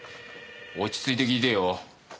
落ち着いて聞いてよ。